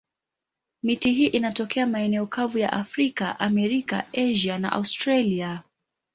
Miti hii inatokea maeneo kavu ya Afrika, Amerika, Asia na Australia.